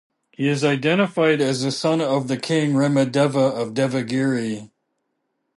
He is identified as a son of the king Ramadeva of Devagiri.